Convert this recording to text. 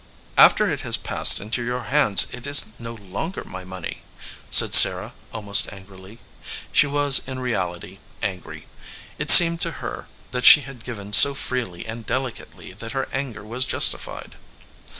"After it has passed into your hands it is no longer my money," said Sarah, almost angrily. She was in reality angry. It seemed to her that she had given so freely and delicately that her anger was justified.